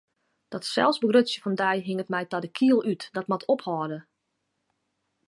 Dat selsbegrutsjen fan dy hinget my ta de kiel út, dat moat ophâlde!